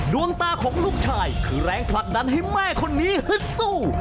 ดวงตาของลูกชายคือแรงผลักดันให้แม่คนนี้ฮึดสู้